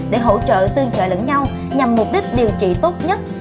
để hỗ trợ tương trợ lẫn nhau nhằm mục đích điều trị tốt nhất